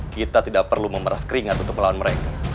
kita tidak perlu memeras keringat untuk melawan mereka